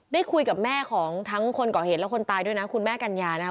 ได้คุยกับแม่ของทั้งคนก่อเหตุและคนตายด้วยนะคุณแม่กัญญานะครับ